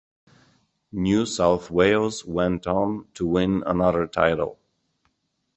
New South Wales went on to win another title.